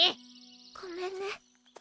ごめんね。